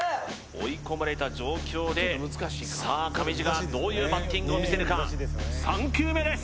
追い込まれた状況でさあ上地がどういうバッティングを見せるか３球目です